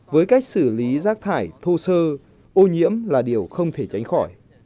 với cách xử lý rác thải thô sơ ô nhiễm là điều không thể tránh khỏi